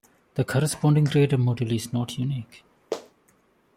The corresponding graded module is not unique.